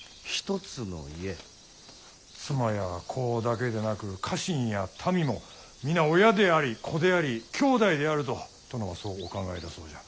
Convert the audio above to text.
妻や子だけでなく家臣や民も皆親であり子でありきょうだいであると殿はそうお考えだそうじゃ。